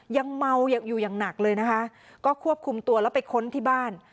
ยังเมาอยู่อย่างหนักเลยนะคะก็ควบคุมตัวแล้วไปค้นที่บ้าน